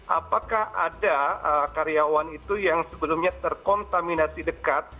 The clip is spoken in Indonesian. apakah ada karyawan itu yang sebelumnya terkontaminasi dekat